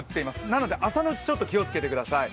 なので朝のうちちょっと気をつけてください。